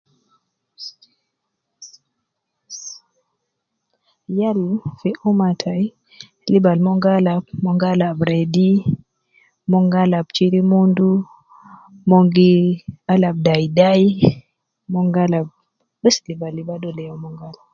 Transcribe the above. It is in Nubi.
Yal fi umma tai ,lib al mon gi alab, mon gi alab ready, mon gi alab kilimundu, mon gii, alab daidai.mon gi alab bes liba liba dole ya mon gi alab